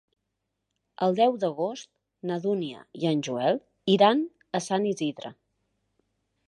El deu d'agost na Dúnia i en Joel iran a Sant Isidre.